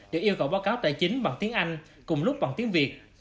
được yêu cầu báo cáo tài chính bằng tiếng anh cùng lúc bằng tiếng việt